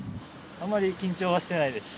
あんまり緊張はしてないです。